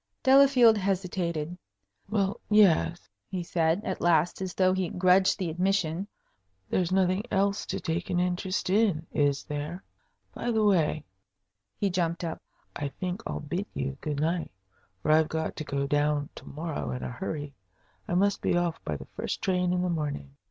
Delafield hesitated. "Well, yes," he said, at last, as though he grudged the admission. "There's nothing else to take an interest in, is there? By the way" he jumped up "I think I'll bid you good night, for I've got to go down to morrow in a hurry. I must be off by the first train in the morning."